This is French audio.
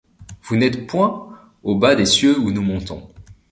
Vous n’êtes point. Au bas des cieux où nous montons